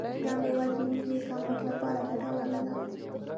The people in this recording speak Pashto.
دا میوه د وینې کمښت لپاره ګټوره ده.